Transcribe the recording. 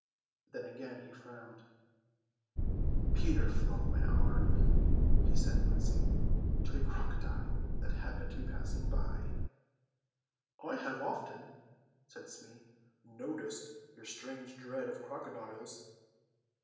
Then again he frowned. "Peter flung my arm," he said, wincing, "to a crocodile that happened to be passing by." "I have often," said Smee, "noticed your strange dread of crocodiles."